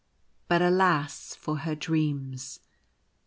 But alas! for her dreams.